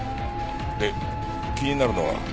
で気になるのは。